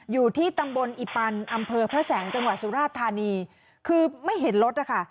อยู่ที่ตำบลอีปันอำเภอพระแสงจังหวัดสุราชธานีคือไม่เห็นรถนะคะ